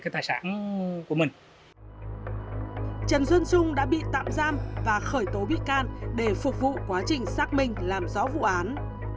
trần xuân trung đã bị tạm giam và khởi tố bị can để phục vụ quá trình xác minh làm rõ vụ án